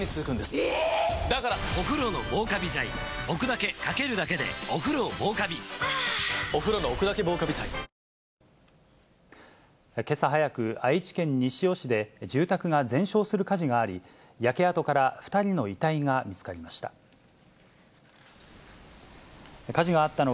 また、けさ早く、愛知県西尾市で、住宅が全焼する火事があり、焼け跡から２人の遺体が見つかりました。